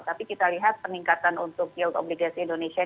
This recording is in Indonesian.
tapi kita lihat peningkatan untuk yield obligation indonesia